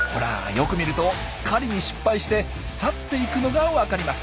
よく見ると狩りに失敗して去っていくのがわかります。